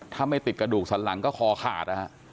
ถ้าไม่ติดกระดูกสันหลังก็คอขาดนะฮะ